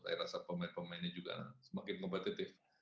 saya rasa pemain pemainnya juga semakin kompetitif